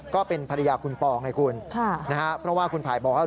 ก็เป็นภรรยาคุณปอไงคุณนะฮะเพราะว่าคุณไผ่บอกว่า